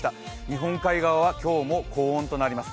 日本海側は今日も高温となります。